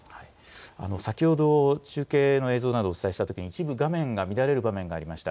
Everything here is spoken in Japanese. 先ほど、中継の映像などをお伝えしたときに、一部画面が乱れる場面がありました。